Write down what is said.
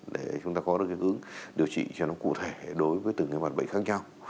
để chúng ta có được cái hướng điều trị cho nó cụ thể đối với từng bản bệnh khác nhau